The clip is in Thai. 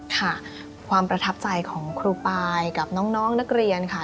ค่ะความประทับใจของครูปายกับน้องนักเรียนค่ะ